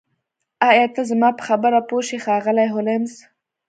ایا ته زما په خبره پوه شوې ښاغلی هولمز